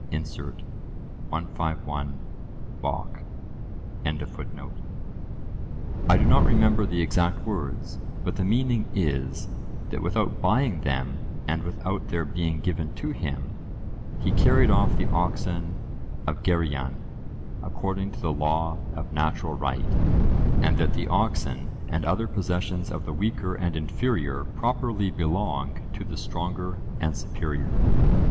Incert. 151 (Bockh).) —I do not remember the exact words, but the meaning is, that without buying them, and without their being given to him, he carried off the oxen of Geryon, according to the law of natural right, and that the oxen and other possessions of the weaker and inferior properly belong to the stronger and superior.